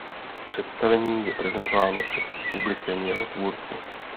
Představení je prezentováno před publikem jeho tvůrci.